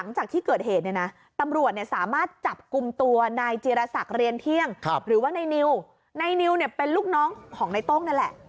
นายนิวนายนิวเนี่ยเป็นลูกน้องของในโต้งนั่นแหละ